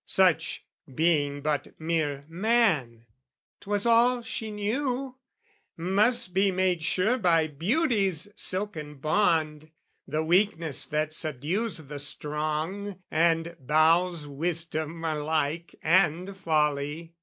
Such, being but mere man, ('twas all she knew), Must be made sure by beauty's silken bond, The weakness that subdues the strong, and bows Wisdom alike and folly.